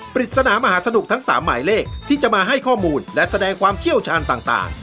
ปริศนามหาสนุกทั้ง๓หมายเลขที่จะมาให้ข้อมูลและแสดงความเชี่ยวชาญต่าง